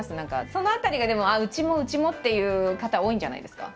その辺りがでもうちもうちもっていう方多いんじゃないですか？